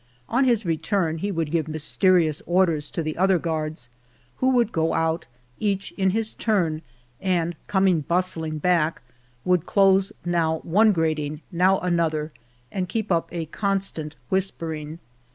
On his return he would give mysterious orders to the other guards, who would go out, each in his turn, and coming bustling back would close now one grating, now another, and keep up a constant whispering.